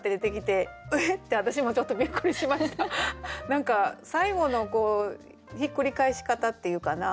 何か最後のひっくり返し方っていうかな。